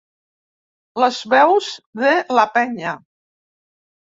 Les veus de "la penya"